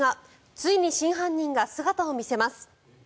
ついに真犯人が姿を見せます。